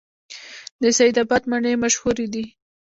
د سید اباد مڼې مشهورې دي